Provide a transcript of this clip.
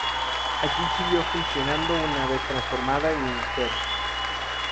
Allí siguió funcionando una vez transformada en Ministerio.